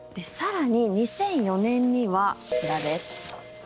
更に、２００４年にはこちらです。